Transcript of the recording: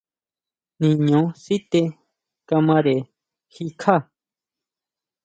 Niño sité kamare jikjá.